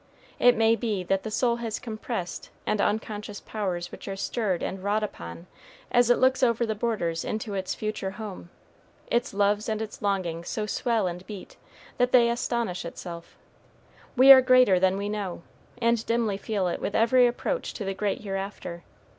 It may be that the soul has compressed and unconscious powers which are stirred and wrought upon as it looks over the borders into its future home, its loves and its longings so swell and beat, that they astonish itself. We are greater than we know, and dimly feel it with every approach to the great hereafter.